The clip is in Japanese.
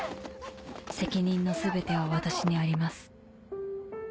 責任の全ては私にあります」。